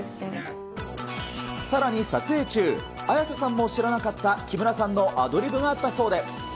さらに撮影中、綾瀬さんも知らなかった木村さんのアドリブがあったそうで。